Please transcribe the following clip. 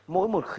mỗi một khi